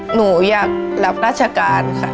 หนูอยากรับราชการค่ะ